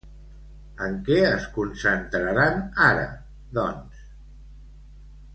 En què es concentraran ara, doncs?